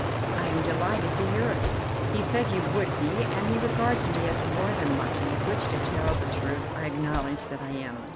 "I am delighted to hear it." "He said you would be, and he regards me as more than lucky, which, to tell the truth, I acknowledge that I am.